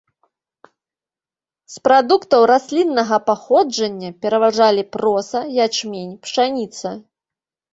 З прадуктаў расліннага паходжання пераважалі проса, ячмень, пшаніца.